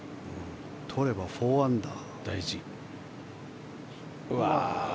とれば４アンダー。